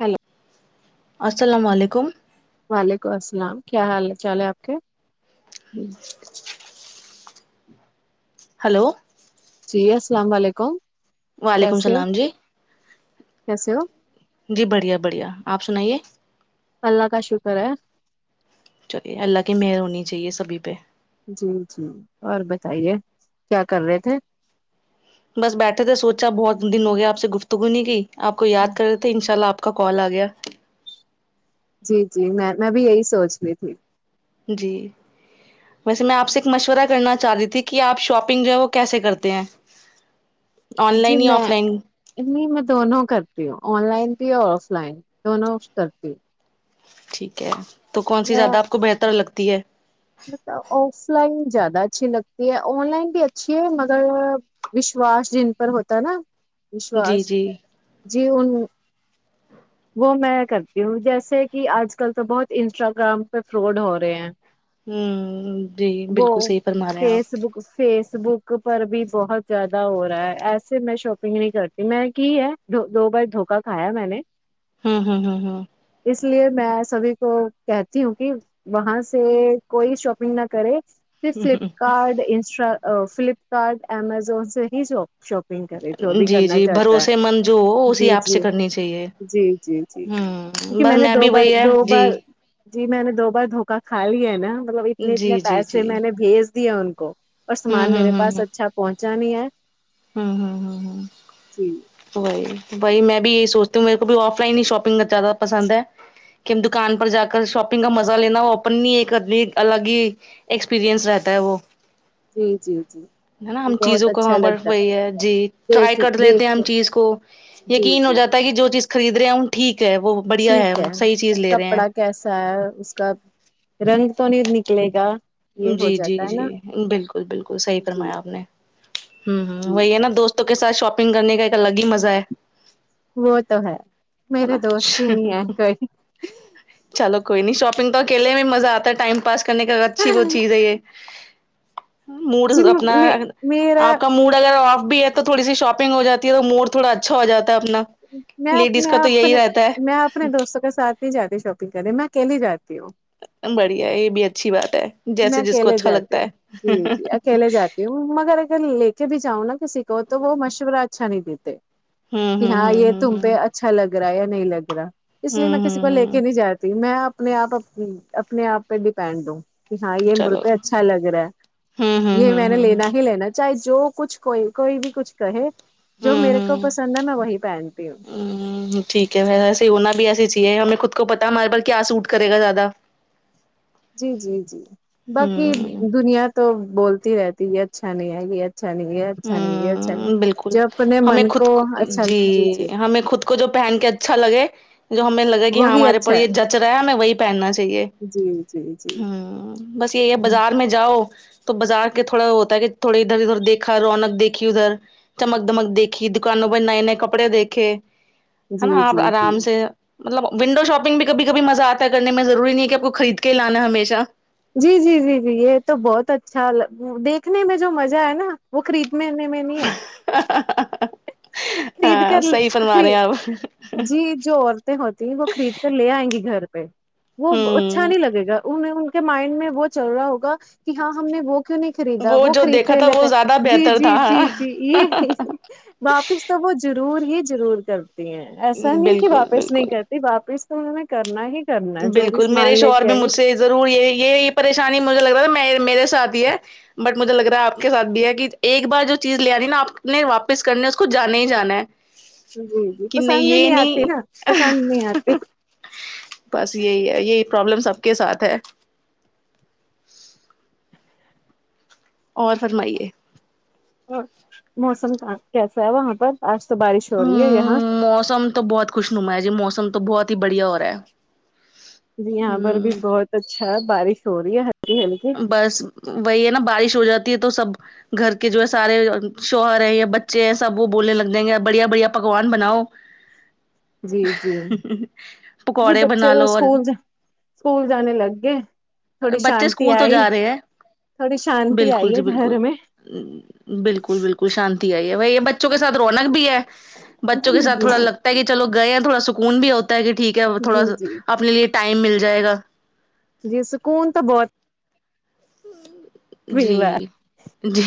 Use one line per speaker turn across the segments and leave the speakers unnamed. hello
السلام علیکم
وعلیکم السلام کیا حال چال ہے آپ کے
ٹھیک ہلو
جی السلام و علیکم
وعلیکم
کیسے ہو
السلام جی
کیسے ہو
جی بڑھیا بڑھیا آپ سنائیے
اللہ کا شکر ہے
چلیے اللہ کی مہر ہونی چاہیے سبھی پہ
جی جی اور بتائیے کیا کر رہے تھے
بس بیٹھے تھے سوچا بہت دن ہو گیا آپ سے گفتگونی کی آپ کو یاد کرے تھے ان شاء اللہ آپ کا کال آ گیا
جی جی میں میں بھی یہی سوچ رہی تھی
جی ویسے میں آپ سے ایک مشورہ کرنا چاہ رہی تھی کہ آپ شاپنگ جو ہے وہ کیسے کرتے ہیں آن
جی
لائن یا
میں
آف لائن
نہیں میں دونوں کرتی ہوں آن لائن بھی اور آف لائن دونوں کرتی
ٹھیک ہے تو کون سی
میں
زیادہ آپ کو بہتر لگتی ہے
مطلب آف لائن زیادہ اچھی لگتی ہے آن لائن بھی اچھی ہے مگر وشواس جن پر ہوتا نا
جی
وشواس
جی
جی ان وہ میں کرتی ہوں جیسے کہ آج کل تو بہت انسٹاگرام پہ فراڈ ہو رہے ہیں
ہوں جی
وہ
بالکل صحیح فرما رہے ہیں آپ
فیس بک فیس بک پر بھی بہت زیادہ ہو رہا ہے ایسے میں شاپنگ نہیں کرتی میں کی ہے دو بار دھوکا کھایا میں نے
ہوں ہوں ہوں ہوں
اس لیے میں سبھی کو کہتی ہوں کہ وہاں سے کوئی شاپنگ نہ کرے صرف
ہ ہ
فلپکارٹ انسٹا فلپکارٹ امزون سے ہی جو شاپنگ کرے جو بھی
جی
کرنا
جی
چاہتا
بھروسے
ہے
مند جو ہو اسی
جی
ایپ
جی
سے کرنی چاہیے
جی جی جی
ہوں
کیونکہ
بس
میں نے دو
بھی
بار
وہی ہے
دو بار
جی
جی میں نے دو بار دھوکا کھا لیا ہے نا مطلب اتنے اتنے
جی جی
پیسے
جی
میں نے بھیج دیا ان کو اور
ہوں
سامان
ہوں
میرے پاس اچھا پہنچا نہیں ہے
ہمم
جی
وہی وہی میں بھی یہی سوچتی ہوں میرے کو بھی آف لائن ہی شاپنگ زیادہ پسند ہے کہ ہم دکان پر جا کر شاپنگ کا مزہ لینا ہو اپننی ایک انی الگ ہی ایکسپیریئنس رہتا ہے وہ
جی جی جی
نا
جی
ہم
بہت
چیزوں کو
اچھا
وہاں پر
لگتا
وہی ہے جی
ہے،
ٹرائی
دیکھ
کر لیتے ہیں
دیکھتے
ہم چیز کو
جی
یقین ہو
جی
جاتا ہے کہ جو چیز خرید رہے ہیں ان ٹھیک ہے وہ بڑھیا ہے صحیح چیز لے رہے ہیں
کپڑا کیسا ہے اس کا رنگ تو نہیں نکلے گا یہ ہو
جی جی
جاتا ہے
جی
نا
بالکل بالکل صحیح
جی
فرمایا آپ
جی
نے ہمم ہمم وہی ہے نا دوست کے ساتھ شاپنگ کرنے کا ایک الگ ہی مزہ ہے
وہ تو ہے
نا
میرے دوست ہی نہیں ہے کوئی
چلو کوئی نہیں شاپنگ تو اکیلے بھی مزہ آتا ہے ٹائم پاس کرنے کا اچھی بہت چیز ہے یہ موڈ اپنا
جی میرا
آپ کا موڈ اگر آف بھی ہے تو تو تھڑی سی شاپنگ ہو جی ہے تو موڈ تھوڑا اچھا ہوجاتا ہے اپنا
میں
لیڈیز
میں
کا تو یہی
اپنے
رہتا ہے
میں اپنے دوستوں میرے ساتھ نہیں جاتی شاپنگ کرنے میں اکیلی جاتی ہوں
بڑھیا یہ بھی اچھی بات ہے
میں
جیسے جس کو
اکیلے
اچھا
جاتی
لگتا
ہوں
ہے
جی جی اکیلے جاتی مگر اگر لے کے بھی جاؤں نا کسی کو تو وہ مشورہ اچھا نہیں دیتے
ہوں
کہ ہاں
ہوں ہوں
یہ تم
ہوں
پہ اچھا لگ رہا ہے یا نہیں لگ رہا اس لیے
ہوں
میں کسی
ہوں
کو لے
ہوں
کے نہیں
ہوں
جاتی میں اپنے آپ اپنے آپ پہ ڈیپینڈ ہوں کہ ہاں یہ مجھ
چلو
پہ اچھا لگ رہا
ہوں
ہے
ہوں
یہ
ہوں
میں نے
ہوں ہوں
لینا ہی لینا چاہے جو کچھ کوئی کوئی بھی کچھ کہے جو
ہوں
میرے کو
ہوں
پسند ہے میں وہی پہنتی ہوں
ہمم ٹھیک ہے ایسے ہوونا بھی ایسی چیے ہمیں خود کو پتا ہمارے بھر کیا سوٹ کرے گا زیادہ
جی جی جی باقی
ہمم
دنیا تو بولتی رہتی یہ اچھا نہیں ہے یہ اچھا نہیں ہے اچھا نہیں یہ اچھا نہیں
ہمم بالکل
جب اپنے من
ہمیں
کو
خود
اچھا جی جی
ہمیں خود کو جو پہن کے اچھا لگے جو ہمیں لگا کہ ہاں
وہی
ہمارے پر
اچھا
یہ
ہے
جچ رہا ہے ہمیں وہی پہننا چاہیے
جی جی جی
ہوں بس یہی ہے
جی جی
بازار میں جاؤ تو بازار کے تھوڑا ہوتا ہے کہ تھوڑے ادھر ادھر دیکھ دیکھا رونق دیکھی ادھر چمک دمک دیکھی دکانوں پر نئے نئے کپڑے دیکھے ہے
جی
نا اب
جی
آرام سے مطلب ونڈو شاپنگ بھی کبھی کبھی مزہ آتا ہے کرنے میں ضروری نہیں ہے کہ آپ کو خرید کے ہی لانا ہے ہمیشہ
جی جی جی ج یہ تو بہت اچھا دیکھنے میں جو مزہ ہے نا وہ خرید نے میں نہیں ہے خرید
ہاں
کر
صحیح فرما
خرید
رہے ہیں آپ
جی جو عورتیں ہوتی وہ خرید کر لے آئیں گی گھر پہ وہ اچھا
ہوں
نہیں لگے گا ان ان کے مائنڈ میں وہ چل رہا ہوگا کہ ہاں ہم نے وہ کیوں نہیں خریدا وہ
جو دیکھا
خریدتے
تھا وہ
لیتے
زیادہ
جی
بہتر
جی
تھا
جی جی یہ واپس تو وہ ضرور ہی ضرور کرتی ہیں ایسا نہیں کہ
بالکل
واپس نہیں
بالکل
کر واپس تو انہوں نے کرنا ہی کرنا ہے جو بھی
بالکل میرے
سامان لے
شوہر
کے
میں
آئیے
مجھ سے ضرور یہ یہ پریشانی مجھے لگ رہا میں میرے ساتھ ہی ہے بٹ مجھے لگ رہا ہے آپ کے ساتھ بھی ہے کہ ایک بار جو چیز لے آنی نا آپ نے واپس کرنی ہے اس کو جانا ہی جانا ہے
جی جی پسند ہی نہیں آتی نا پسند نہیں آتی
بس یہی ہے یہی پرابلم سب کے ساتھ ہے اور فرمائیے
اور موسم کیسا ہے وہاں پر آج تو بارش ہو رہی
ہ
ہے یہاں
موسم تو بہت خوش نما جی موسم تو بہت ہی بڑھیا ہو رہا ہے
جی یہاں پر بھی
ہ
بہت اچھا ہے بارش ہو رہی ہے ہلکی ہلکی
بس وہی ہے نا بارش ہو جاتی ہے تو سب گھر کے جو ہے سارے شوہر یا بچے ہیں سب وہ بولنے لگ جائیں گے بڑھیا بڑھیا پکوان بناؤ
جی جی جی
پکوڑے
بچے
بنا
تو
لو اور
اسکول جا اسکول جانے لگ گے تھوڑی
بچے
شانتی
اسکول تو
آئی
جا رہے ہیں
تھوڑی شانتی آئی
بالکل
ہے
جی
گھر
بالکل
میں
بالکل بالکل شانتی آئی ہے بھائی یہ ب بچوں کے ساتھ رونق بھی ہے بچوں کے
جی
سات
جی
تھوڑا لگتا ہے کہ چلو گئے ہیں تھوڑا سکون بھی ہوتا ہے کہ ٹھیک تھوڑا
جی
سا
جی
اپنے لیے ٹائم مل جائے گا
جی سکون تو بہت مل رہا
جی جی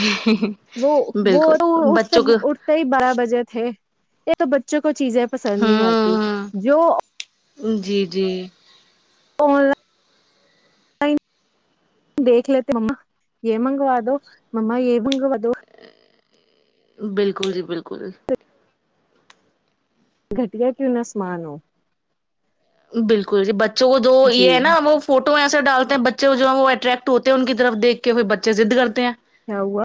وہ وہ
بالکل
اٹھتے
بچوں
ہیں
کو
اٹھتے ہی بارہ بجے تھے یہ تو بچوں کو چیزیں پسند نہیں آتی
ہوں
جو
جی جی
آن لائن لائن دیکھ لیتے مما یہ منگوا دو ماما یہ منگوا دو
بالکل جی بالکل
گھٹیا کیو نہ سا مان ہو
بالکل جی بچوں کو جو
جی
یہ ہے نا وہ فوٹو ایسے ڈالتے ہیں بچھا جو ہیں وہ اٹریکٹ ہوتے ہیں ان کی طرف دکھ کے وہ بچے ضد کرتے ہیں
کیا ہوا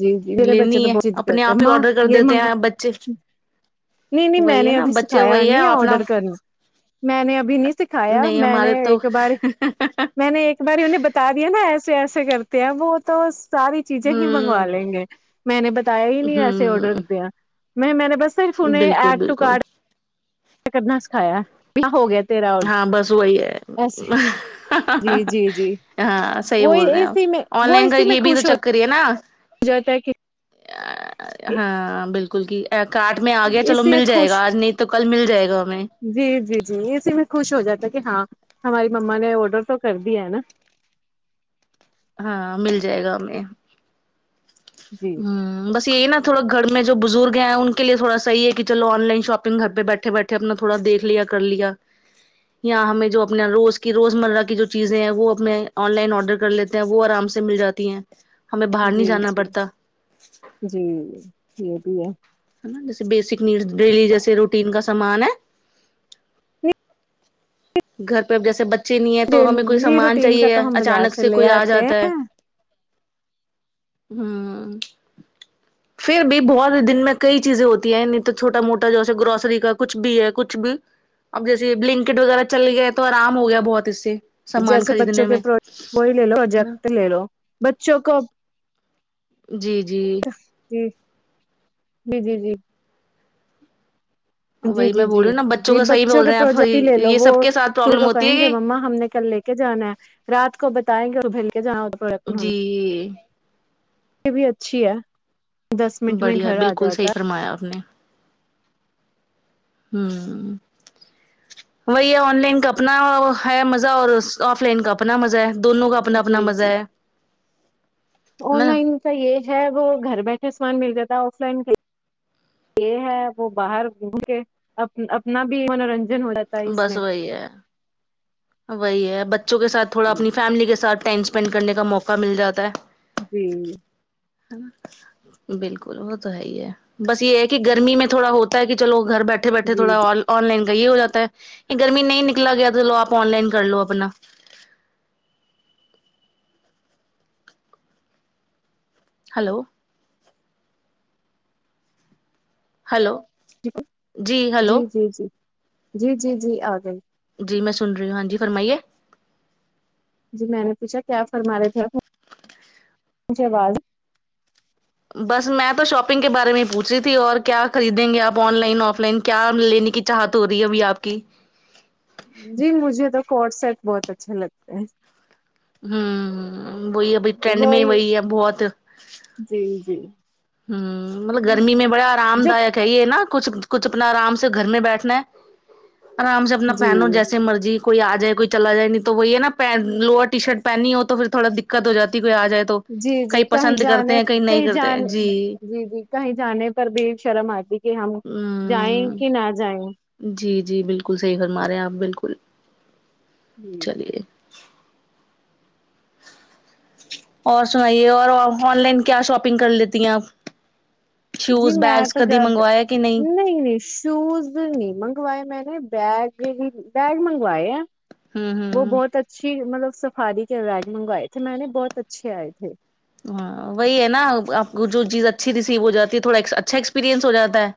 جی جی میرے بچے
لینی
تو
ہے
بہت ضد
اپنے
کرتے ہیں
آپ ہی
ماں
آڈر کر
یہ
دیتے
منگوا
ہیں بچے
نہیں نہیں میں
وہی ہے
نے
نا
ابھی
بچے
سکھایا
وہی ہے
نہیں
اپنا
آڈر کرنا میں نے ابھی نہیں سکھایا
نہیں
میں نے
ہمارے تو
ایک بار میں نے ایک میں نے انھے بتا دیا نا ایسے ایسے کرتے ہیں وہ تو ساری چیزی ہی
ہوں
منگوا لیں گے میں نے بتایا ہی نہیں ایسے آرڈر
ہوں
دیا نہیں میں نے بس صرف انہیں
بالکل
ایڈ ٹو
بالکل
کارڈ کرنا سکھایا ہو گیا تیرا آڈر
ہاں بس وہی ہے
ایسے جی جی جی
ہاں صحیح
وہ
بول رہے ہیں
اسی میں
اپ آن
وہ
لائن کا
اسی میں
یہ بھی تو
خوش ہو
چکر ہی ہے نا
جاتا ہے کہ
ہاں بالکل کی کٹ میں آ گیا چلو
اسی میں
مل جائے
خوش
گا آج نہیں تو کل مل جائے گا ہمیں
جی جی جی اسی میں خوش ہو جاتا کہ ہاں ہماری مما نے آڈر تو کر دیا ہے نا
ہاں مل جائے گا ہمیں
جی
ھمم بس یہی نہ تھوا گھر میں جو بزرگ ہیں ان کےلئے تھوڑا صحیح ہے کی آن لائن شاپنگ گھر پے بیٹھے بیٹھے کرنا تھوڑا دیک لیا کر لیا یااں ہمیں جو اپنا روز کی روزمرہ کی جو چیزیں ہیں وہ اب آن لائن آرڈر کر لیتے وہ آرام سے مل جاتی ہیں ہمیں باہر نہیں
جی
جانا
جی
پڑتا
جی یہ بھی ہے
نا جیسے بیسک نیڈ ڈیلی جیسے روٹین کا سامان ہے گھر پہ ا جیسے بچے نہیں ہے تو ہمیں کوئی
ڈیلی
سامان
روٹین
چاہیے
کا تو ہم بازار
اچانک سے
لے
کوئی آ
آتے
جاتا ہے
ہیں
ہاں پھر بھی بہت دن میں کئی چیزیں ہوتی ہیں نہیں تو چھوٹا موٹا جوس گروسری کا کچھ بھی ہے کچھ بھی اب جیسے بلنکٹ وغیرہ چل گئے تو آرام ہو گیا بہت اس سے سامان
جیسے بچوں
خریدنے
کے
میں
کوئی لے لو
ہے نا
جگت لے لو بچوں کو
جی جی
جی جی جی جی جی
وہی
جی
میں
جی
بول رہی ہوں نا
جی
کا صحیح
بچوں
بول
کے
رہے ہیں آپ
پروجیکٹ ہی لے لو
یہ
وہ
سب کے ساتھ
س
پرابلم
کو
ہوتی ہے
کہیں گے
کہ
ما ہم نے کل لے کے کے جانا ہے رات کو بتائیں گےبھول کے جانا ہو تو پن
جی
یہ بھی اچھی ہے دس منٹ میں
بڑھیا
گھر آ
بالکل
جاتا
صحیح
ہے
فرمایا آپ نے ہوں وہی آن لائن کا اپنا ہے مزہ اور آف لائن کا اپنا مزہ ہے دونوں کا اپنا
ہے جی
اپنا مزہ
جی
ہے
آن
نا
لائن کا یہ ہے وہ گھر بیٹھے سامان مل جاتا ہے آف لائن کے یہ ہے وہ باہر گھوم کے اپنا بھی منورنجن ہو جات
بس وہی ہے وہی ہے بچوں کے ساتھ تھوڑا اپنی فیملی کے ساتھ ٹینشن اسینڈ کرنے کا موقع مل جاتا ہے
جی
بالکل وہ تو ہے ہی ہے بس یہ ہے کہ گرمی میں تھوڑا ہوتا ہے کہ چلو گھر بیٹھے بیٹھے بیٹھے
جی
تھوڑا آن لائن کا یہ ہو جا ہے یہ گرمی نہیں نکلا گیا تو چلو آپ آن لائن کر لو اپنا ہیلو ہیلو
ٹھیک ہے جی جی جی جی جی جی آگی
جی میں سن رہی ہوں ہاں جی فرمائیے
جی میں نے پوچھا کیا فرمارہے تھے اپ مجھے آواز
بس میں تو شاپنگ کے بارے میں ہی پوچ رہی تھی اور کیا خریدیں گے آپ آن لائن آف لائن کیا لینے کی چاہت ہو رہی ہے ابھی آپ کی
جی مجھے تو کڈ سیٹ بہت اچھے لگتے ہیں
ہوں وہی ابھی ٹرینڈ میں وہی ہے بہت
جی جی
ہ مطلب گرمی میں بڑا آرام دایک
جب
ہے یہ نا کچھ کچھ اپنا آرام سے گھر میں بیٹھنا ہے آرام سے اپنا
جی
پہنو جیسے مرضی کوئی آ جائے کوئی چلا جائے نہیں تو وہ یہ ہے نا لوور ٹی شرٹ پہنی ہو تو پھر تھوڑا دقت ہو جاتی کوئی آ جائے تو
جی
تو
جی
کئی
کہیں
پسند کرتے
جانے
ہیں کئی نہیں
کہیں
کرتے
جان جی جی کہیں جانے پر بھی شرم آتی ہے کہ ہم جائیں
ہوں
کہ نہ جاییں
جی جی بالکل صحیح فرما رہے ہیں آپ بالکل
ہوں
چلیے اور سنائیے اور آن لائن کیا شاپنگ کر لیتی ہیں آپ
جی
شوز
میں
بیگس
تو
کدھی
زیادہ
منگوایا کہ نہیں
شوز نہیں منگوائے میں نے بیگ ہی بیگ منگوائے ہیں
ہوں
وہ
ہوں
بہت اچھی مطلب سفاری کے بیگ منگوائے تھے میں نے بہت اچھے آئے تھے
ہاں وہی ہے نا آپ کو جو چیز اچھی ریسیو ہو جاتی ہے تھوڑا اچھا ایکسپییرئنس ہو جاتا ہے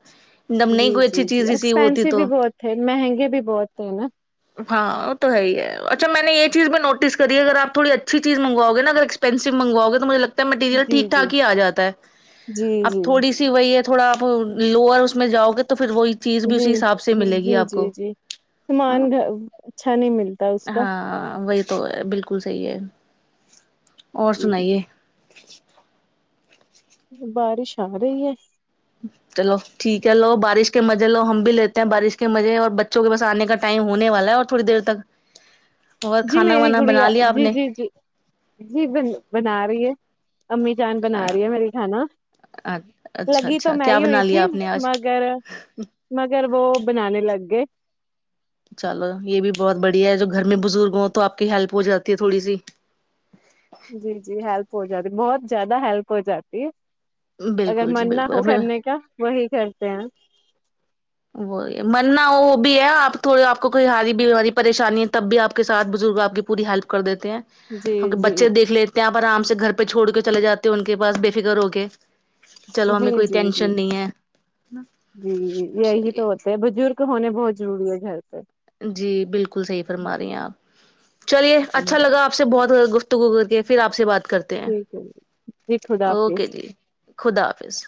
ایک دم
جی
نہیں کوئی
جی
اچھی
جی
چیز ریسیو ہوتی
ایکسپینسو بھی
تو
بہت تھے مہنگے بھی بہت تھے نا
ہاں وہ تو ہے ہی ہے اچھا میں نے یہ چیز بھی نوٹس کری ہے اگر آپ تھوڑی اچھی چیز منگواؤ گے نا اگر پینسو مگواؤ گے تو مجھے لگتا ہے مٹیریل
جی
ٹھیک
جی
ٹھاک ہی آ جاتا ہے
جی
اب
جی
تھوڑی سی وہی ہے تھوڑا آپ لوور اس میں جاؤ گے تو پھر وہ ہی چیز بھی
جی
اسی حساب سے ملے گی
جی
آپ
جی
کو
جی
ہاں
سامان گھر اچھا نہیں ملتا اس کا
ہاں وہی تو ہے بالکل بالکل سحیح ہے اور
جی
سنائیے
بارش آ رہی ہے
چلو ٹھیک ہے لو بارش کے مزے لو ہم بھی لیتے ہیں بارش کے مزے اور بچوں کے بس آنے کا ٹائم ہونے والا ہے اور تھوڑی دیر تک اور
جی
کھانا
میری
وانا بنا
گڑیا
لیا آپ
جی
نے
جی جی جی بن بنا رہی ہے امی جان بنا رہی ہے میری کھانا
اچھا
لگی تو
اچھا
میں
کیا
ہی ہوئی
بنا
تھی
لیا آپ نے آج
مگر مگر وہ بنانے لگ گئے
چلو یہ بھی بہت بڑھیا ہے جو گھر میں بزرگ ہوں تو آپ کی ہیلپ ہو جاتی ہے تھوڑی سی
جی جی ہیلپ ہو جاتی بہت زیادہ ہیلپ ہو جاتی اگر
بالکل جی
من نہ
بالکل
ہو کرنے کا وہی کرتے ہیں
وئی مننا وہ بھی ہے آپ تھوڑی آپ کو کوئی ہاری بیاری پریشانی ہے تب بھی آپ کے ساتھ بزرگ آپ کی پوری ہیلپ کر دیتے ہیں
جی
ہم
جی
بچے دیکھ لیتے ہیں آپ پر آرام سے گھر پہ چھوڑ کے چلے جاتے ہیں ان کے پاس بے فکر ہو کے چلو
جی
امی کوئی
جی جی
ٹینشن نہیں ہے
جی ج یہی تو
چلیے
ہوتے ہے بزرگ ہونے بہت ضروری ہے گھر پہ
جی بالکل صحیح فرما رہی ہیں آپ چلیے اچھا لگا آپسے بہت زادہ گفتگو کر کے پھر آپ سے بات کرتے
ٹھیک ہے جی خدا حافظ
اوکے جی خدا حافظ